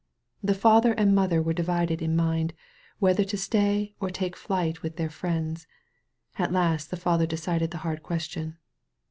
The father and mother were divided in mind, whether to stay or take flight with their friends. At last the father ^lecided the hard question.